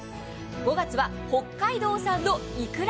５月は北海道産のいくら。